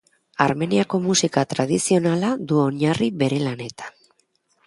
Armeniako musika tradizionala du oinarri bere lanetan.